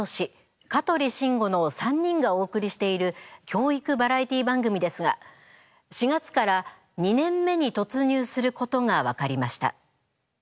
香取慎吾の３人がお送りしている教育バラエティー番組ですが４月から２年目に突入することが分かりました。